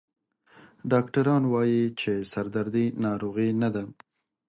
ډاکټران وایي چې سردردي ناروغي نه ده.